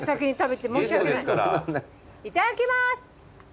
いただきます！